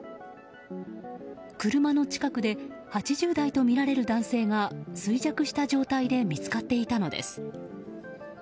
車の近くで８０代とみられる男性が衰弱した状態で見つかっていたのです。